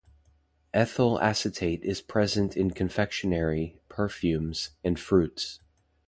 Ethyl acetate is present in confectionery, perfumes, and fruits.